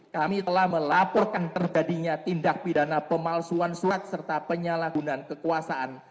kami telah melaporkan terjadinya tindak pidana pemalsuan surat serta penyalahgunaan kekuasaan